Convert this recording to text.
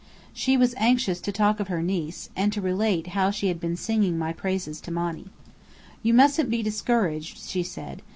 She was anxious to talk of her niece, and to relate how she had been singing my praises to Monny. "You mustn't be discouraged," she said.